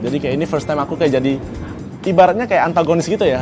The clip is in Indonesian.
jadi kayak ini first time aku kayak jadi ibaratnya kayak antagonis gitu ya